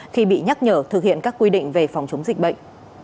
khi bị nhắc nhở thực hiện các quy định về phòng chống dịch bệnh